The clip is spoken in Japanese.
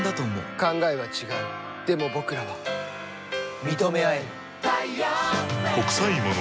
考えは違う、でも、僕らは認め合える。